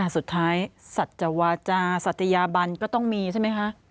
สุดท้ายสัจวาจาศัตยาบันก็ต้องมีใช่ไหมคะ